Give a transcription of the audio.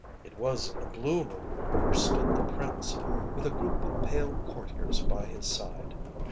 It was in the blue room where stood the prince, with a group of pale courtiers by his side.